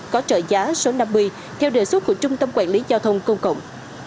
có trợ giá số năm mươi theo đề xuất của trung tâm quản lý giao thông công cộng